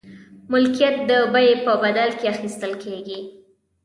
ملکیت د بیې په بدل کې اخیستل کیږي.